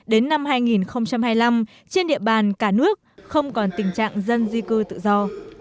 đến năm hai nghìn hai mươi năm trên địa bàn cả nước không còn tình trạng dân di cư tự do